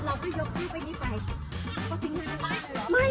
เราก็ยกพี่ไปที่นี่ไป